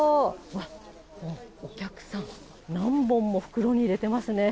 あっ、お客さん、何本も袋に入れてますね。